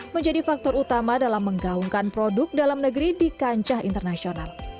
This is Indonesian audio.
menjadi faktor utama dalam menggaungkan produk dalam negeri di kancah internasional